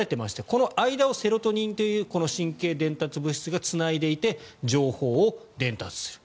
この間をセロトニンという神経伝達物質がつないでいて情報を伝達する。